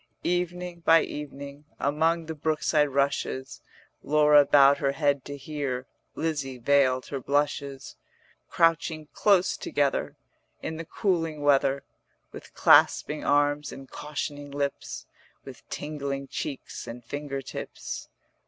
Evening by evening Among the brookside rushes, Laura bowed her head to hear, Lizzie veiled her blushes: Crouching close together In the cooling weather, With clasping arms and cautioning lips, With tingling cheeks and finger tips.